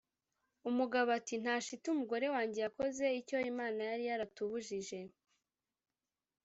umugabo Ati: "Nta shiti, umugore wanjye yakoze icyo Imana yari yaratubujije